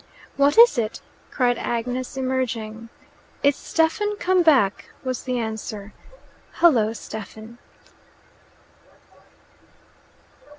"What is it?" cried Agnes, emerging. "It's Stephen come back," was the answer. "Hullo, Stephen!"